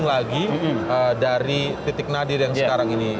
apakah lagi dari titik nadir yang sekarang ini terjadi